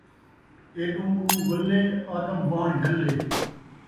ایݙوں اوݙوں ولے، آدم واہݨ جھلے